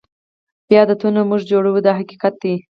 بیا عادتونه موږ جوړوي دا حقیقت دی.